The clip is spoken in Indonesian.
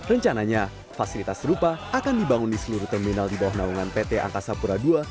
rencananya fasilitas serupa akan dibangun di seluruh terminal di bawah naungan pt angkasa pura ii